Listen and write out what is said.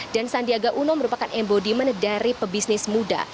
dan sandiaga uno merupakan embodiment dari pebisnis muda